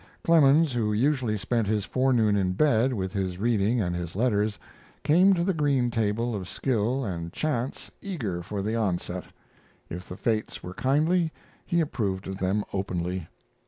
Clemens, who usually spent his forenoon in bed with his reading and his letters, came to the green table of skill and chance eager for the onset; if the fates were kindly, he approved of them openly.